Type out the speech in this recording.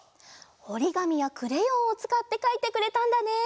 おりがみやクレヨンをつかってかいてくれたんだね。